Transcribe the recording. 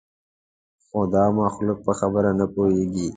خو دا مخلوق په خبره نه پوهېږي.